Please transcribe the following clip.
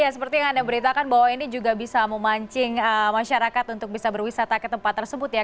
ya seperti yang anda beritakan bahwa ini juga bisa memancing masyarakat untuk bisa berwisata ke tempat tersebut ya